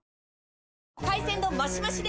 海鮮丼マシマシで！